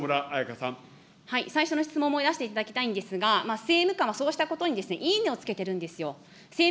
最初の質問を思い出していただきたいんですが、政務官はそうしたことにいいねをつけてるんですよ。